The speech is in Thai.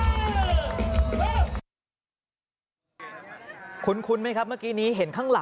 นี่คือบรรยากาศตอนที่คุณอุ้งอิงแพทองทานชินวัฒน์